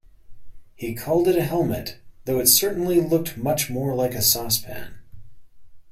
He called it a helmet, though it certainly looked much more like a saucepan.